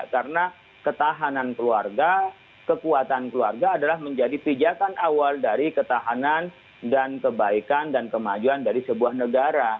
karena ketahanan keluarga kekuatan keluarga adalah menjadi pijakan awal dari ketahanan dan kebaikan dan kemajuan dari sebuah negara